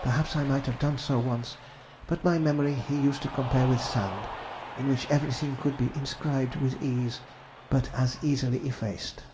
Perhaps I might have done so once, but my memory he used to compare with sand, in which everything could be inscribed with ease, but as easily effaced.